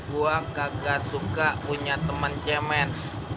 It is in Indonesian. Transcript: gua kagak suka punya teman cemen